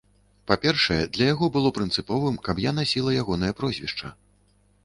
Па-першае, для яго было прынцыповым, каб я насіла ягонае прозвішча.